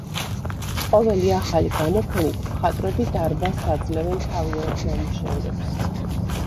ყოველი ახალი გამოფენით, მხატვრები დარბაზს აძლევენ თავიანთ ნამუშევრებს.